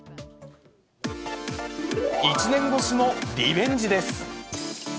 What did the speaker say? １年越しのリベンジです。